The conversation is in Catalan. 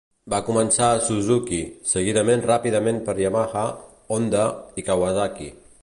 Va començar Suzuki, seguida ràpidament per Yamaha, Honda i Kawasaki.